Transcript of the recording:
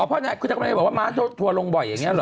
คุณแม่ม้าบอกว่าม้าตัวลงบ่อยอย่างนี้หรอ